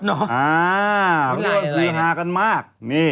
ลดเหรอวันไหลหรืออะไรหรืออ่ามีรัฐกันมาก